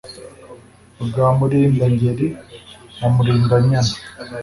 bwa murinda-ngeri na murinda-nyana.